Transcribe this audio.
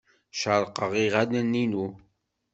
Cerrqeɣ iɣallen-inu.